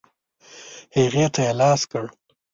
هغې ته یې لاس کړ.